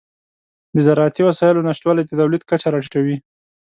د زراعتي وسایلو نشتوالی د تولید کچه راټیټوي.